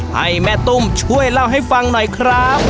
ให้แม่ตุ้มช่วยเล่าให้ฟังหน่อยครับ